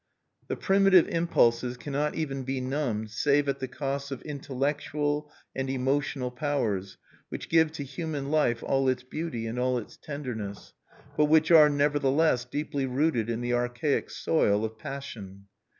The primitive impulses cannot even be numbed save at the cost of intellectual and emotional powers which give to human life all its beauty and all its tenderness, but which are, nevertheless, deeply rooted in the archaic soil of passion.